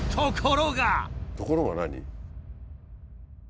「ところが」何？